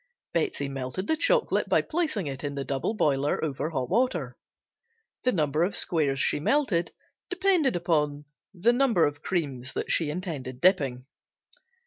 Betsey melted the chocolate by placing it in the double boiler over hot water. The number of squares she melted depended upon the number of creams she intended dipping.